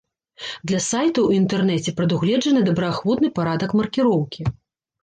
Для сайтаў у інтэрнэце прадугледжаны добраахвотны парадак маркіроўкі.